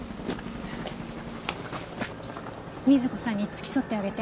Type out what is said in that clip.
瑞子さんに付き添ってあげて。